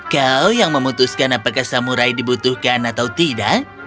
kau yang memutuskan apakah samurai dibutuhkan atau tidak